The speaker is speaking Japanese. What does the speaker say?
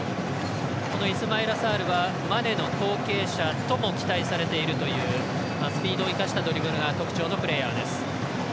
イスマイラ・サールはマネの後継者とも期待されているというスピード生かしたドリブルが特徴のプレーヤーです。